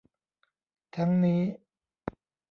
ทั้งนี้